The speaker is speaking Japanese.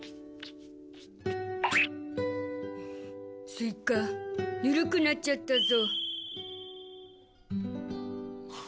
スイカぬるくなっちゃったゾ。